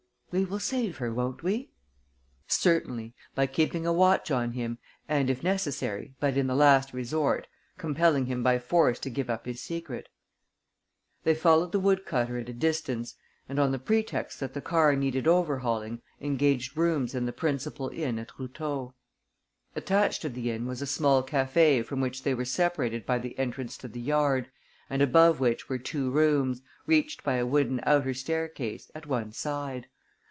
"We will save her, won't we?" "Certainly, by keeping a watch on him and, if necessary, but in the last resort, compelling him by force to give up his secret." They followed the woodcutter at a distance and, on the pretext that the car needed overhauling, engaged rooms in the principal inn at Routot. Attached to the inn was a small café from which they were separated by the entrance to the yard and above which were two rooms, reached by a wooden outer staircase, at one side.